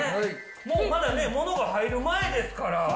もうまだね、ものが入る前ですから。